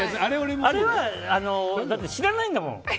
あれは、だって知らないんだもん。